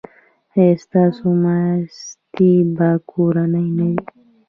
ایا ستاسو ماستې به کورنۍ نه وي؟